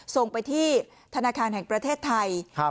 ส่งไปที่ธนาคารแห่งประเทศไทย